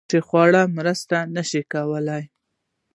چې خواړه مرسته نشي کولی